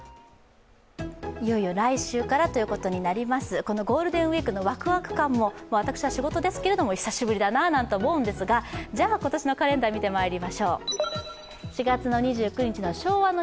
いよいよ来週からということになります、このゴールデンウイークのワクワク感も私は仕事ですけども、久しぶりだなと思うんですが、じゃあ、今年のカレンダー見てまいりましょう。